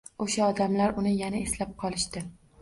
Oʻsha odamlar uni yana eslab qolishdi.